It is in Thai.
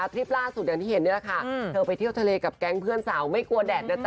คลิปล่าสุดอย่างที่เห็นนี่แหละค่ะเธอไปเที่ยวทะเลกับแก๊งเพื่อนสาวไม่กลัวแดดนะจ๊